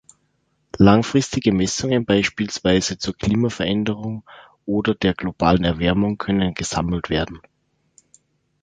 Langfristige Messungen beispielsweise zur Klimaveränderung oder der globalen Erwärmung können gesammelt werden.